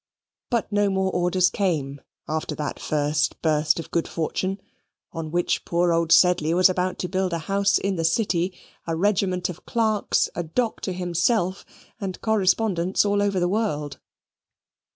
But no more orders came after that first burst of good fortune, on which poor old Sedley was about to build a house in the City, a regiment of clerks, a dock to himself, and correspondents all over the world.